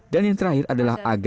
dan yang terakhir adalah agus